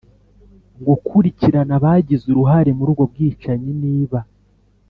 gukurikirana abagize uruhare muri ubwo bwicanyi, niba